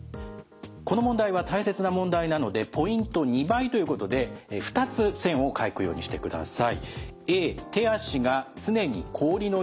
この問題は大切な問題なのでポイント２倍ということで２つ線を書くようにしてください。